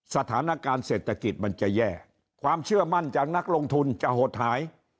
สถานการณ์เศรษฐกิจมันจะแย่ความเชื่อมั่นจากนักลงทุนจะหดหาย